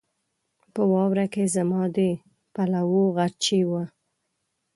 په واوره کې زما د پلوو غرچی و